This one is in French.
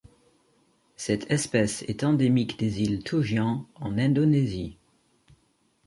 Cette espèce est endémique des îles Togian en Indonésie.